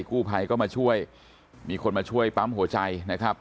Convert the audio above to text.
กู้ภัยก็มาช่วยมีคนมาช่วยปั๊มหัวใจนะครับ